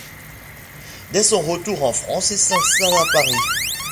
Dès son retour en France, il s'installe à Paris.